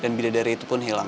dan bidadari itu pun hilang